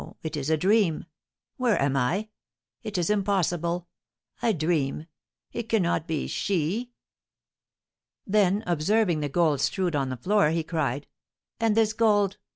It is a dream! Where am I? It is impossible! I dream, it cannot be she!" Then, observing the gold strewed on the floor, he cried, "And this gold!